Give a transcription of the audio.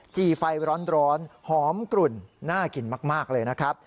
จี่ไฟร้อนหอมกลุ่นน่ากินมากเลยนะครับ